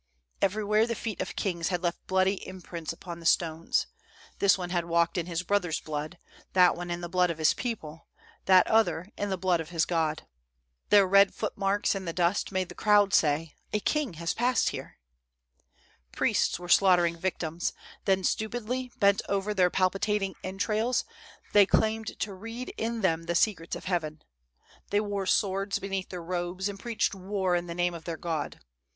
"Everywhere, the feet of kings had left bloody im prints upon the stones. This one had walked in his brother's blood ; that one in the blood of his people ; that other in the blood of his god. Their red foot marks in the dust made the crowd say: *A king has passed there.' " Priests were slaughtering victims ; then, stupidly bent over their palpitating entrails, they claimed to read in them the secrets of heaven. They wore swords beneath their robes and preached war in the name of their god.